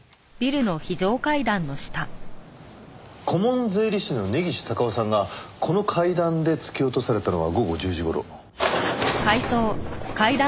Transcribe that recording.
顧問税理士の根岸隆雄さんがこの階段で突き落とされたのは午後１０時頃。